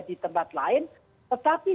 di tempat lain tetapi